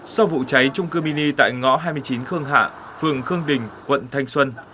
sau vụ cháy trung cư mini tại ngõ hai mươi chín khương hạ phường khương đình quận thanh xuân